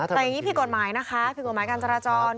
แต่อย่างนี้ผิดกฎหมายนะคะผิดกฎหมายการจราจร